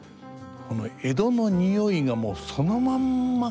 この江戸のにおいがもうそのまんま